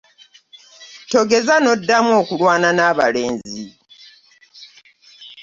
Togeza ndamu okulwana n'abalenzi.